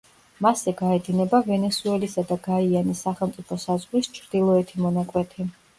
მასზე გაედინება ვენესუელისა და გაიანის სახელმწიფო საზღვრის ჩრდილოეთი მონაკვეთი.